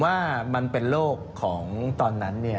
ว่ามันเป็นโรคของตอนนั้น